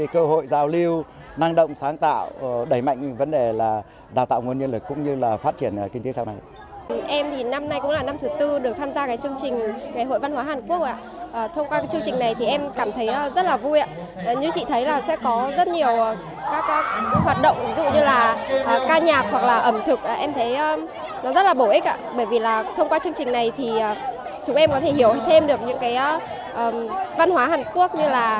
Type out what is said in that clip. chúng em có thể hiểu thêm được những văn hóa hàn quốc như là thông qua các trò chơi mà mọi người tổ chức